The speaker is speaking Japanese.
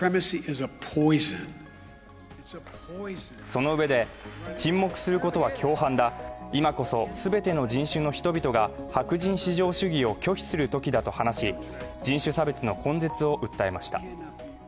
そのうえで、沈黙することは共犯だ、今こそすべての人種の人々が白人至上主義を拒否するときだと話し人種差別の根絶を訴えました。